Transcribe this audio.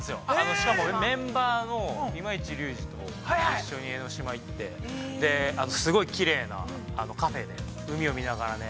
しかもメンバーの今市隆二と一緒に江の島行ってすごいきれいなカフェで海を見ながらね。